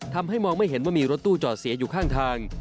ทำให้มองไม่เห็นว่ามีรถตู้จอดเสียอยู่ข้างทาง